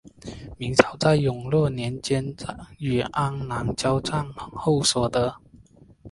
明朝在永乐年间与安南交战后所得。